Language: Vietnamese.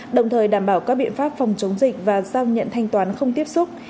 đồng thời đảm bảo các biện pháp phòng chống dịch và giao nhận thanh toán không tiếp xúc